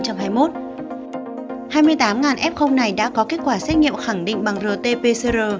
hai mươi tám f này đã có kết quả xét nghiệm khẳng định bằng rt pcr